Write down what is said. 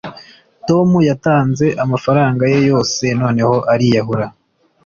tom yatanze amafaranga ye yose noneho ariyahura